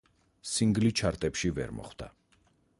სინგლი ჩარტებში ვერ მოხვდა.